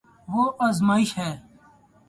وہ ازماش ہے